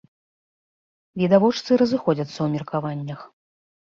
Відавочцы разыходзяцца ў меркаваннях.